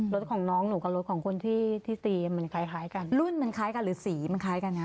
รถของน้องหนูกับรถของคนที่ที่ตีมันคล้ายคล้ายกันรุ่นมันคล้ายกันหรือสีมันคล้ายกันนะ